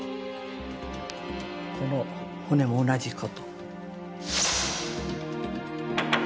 この骨も同じ事。